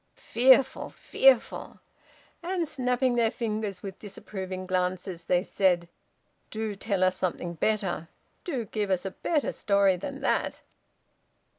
Fearful! fearful!" And, snapping their fingers with disapproving glances, they said, "Do tell us something better do give us a better story than that."